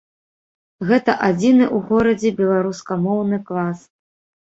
Гэта адзіны ў горадзе беларускамоўны клас.